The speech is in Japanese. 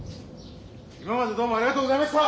今までどうもありがとうございました！